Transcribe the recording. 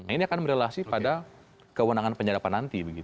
ini akan berrelasi pada kewenangan penyadapan nanti